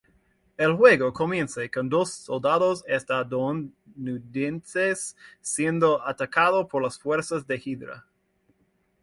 El juego comienza con dos soldados estadounidenses siendo atacado por las fuerzas de Hydra.